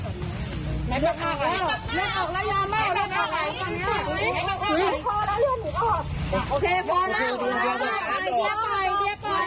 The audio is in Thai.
แล้วแล้วแล้วแล้วแล้วแล้วแล้วแล้วแล้วแล้วแล้วแล้วแล้ว